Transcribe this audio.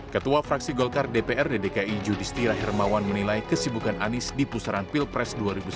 ketua fraksi golkar dprd dki judistira hermawan menilai kesibukan anies di pusaran pilpres dua ribu sembilan belas